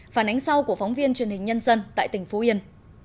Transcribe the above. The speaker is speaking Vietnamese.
phản ánh sau của phóng viên truyền hình nhân dân tại tỉnh phú yên